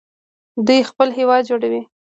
دوی خپل هیواد جوړوي.